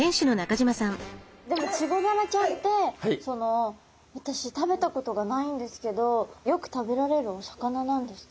でもチゴダラちゃんってその私食べたことがないんですけどよく食べられるお魚なんですか？